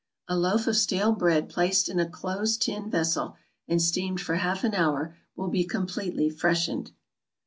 = A loaf of stale bread placed in a close tin vessel, and steamed for half an hour will be completely freshened.